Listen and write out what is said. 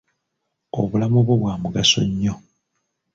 Obulamu bwo bwa mugaso nnyo.